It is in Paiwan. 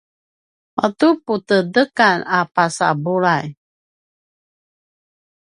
matu putedekan a pasa bulay